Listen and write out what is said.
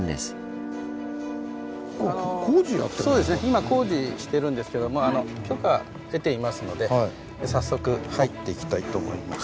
今工事してるんですけども許可得ていますので早速入っていきたいと思います。